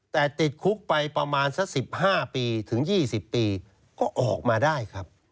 แต่ติดคุกไปประมาณสัก๑๕ปีถึง๒๐ปีก็ออกมาได้ครับ